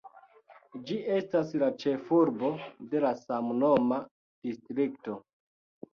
Ĝi estas la ĉefurbo de la samnoma distrikto.